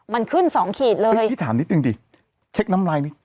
มันขึ้นสองขีดเลยพี่ถามนิดนึงดิเช็คน้ำลายนิด